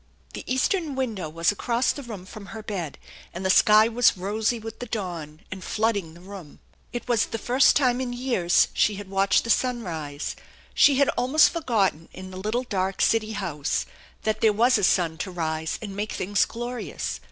The eastern window was across the room from her bed, and the sky was rosy, with the dawn, and flooding the room. It was the first time in years she had watched the sun rise. She had almost forgotten, in the little dark city house, that there was a sun to rise and make things glorious.